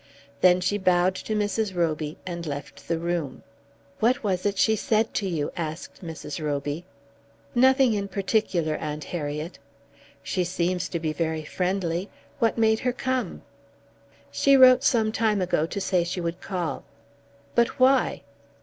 Then she bowed to Mrs. Roby, and left the room. "What was it she said to you?" asked Mrs. Roby. "Nothing in particular, Aunt Harriet." "She seems to be very friendly. What made her come?" "She wrote some time ago to say she would call." "But why?"